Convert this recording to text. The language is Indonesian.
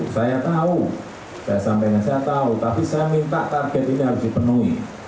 saya tahu saya sampaikan saya tahu tapi saya minta target ini harus dipenuhi